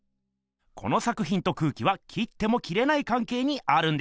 この作ひんと空気は切っても切れないかんけいにあるんです。